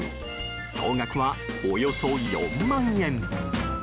総額はおよそ４万円。